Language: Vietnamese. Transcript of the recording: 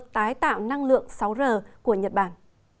tái tạo năng lượng sáu r của nhật bản